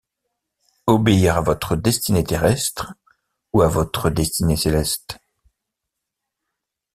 Obéir à votre destinée terrestre ou à votre destinée céleste.